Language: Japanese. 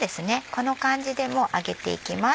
この感じでもう上げていきます。